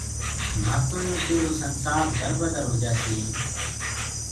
نآ تو تيرو يو سنسآر دربدر هوجآسيٚ ائينٚ